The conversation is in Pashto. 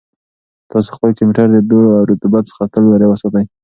تاسو خپل کمپیوټر د دوړو او رطوبت څخه تل لرې وساتئ.